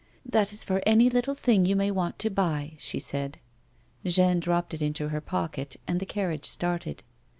" That is for any little thing you may want to buy,"' she said. Jeanne dropped it into her pocket and the carriage started.